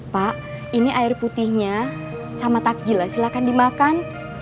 pak ini air putihnya sama takjil silahkan dimakan